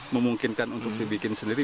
memungkinkan untuk dibikin sendiri